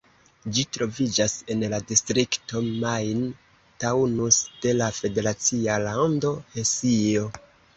Ĝi troviĝas en la distrikto Main-Taunus de la federacia lando Hesio.